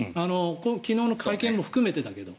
昨日の会見も含めてだけど。